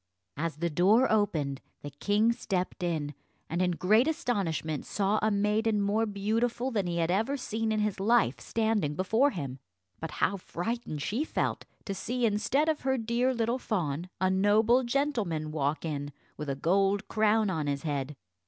As the door opened, the king stepped in, and in great astonishment saw a maiden more beautiful than he had ever seen in his life standing before him. But how frightened she felt to see instead of her dear little fawn a noble gentleman walk in with a gold crown on his head.